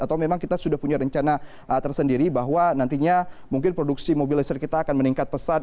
atau memang kita sudah punya rencana tersendiri bahwa nantinya mungkin produksi mobil listrik kita akan meningkat pesat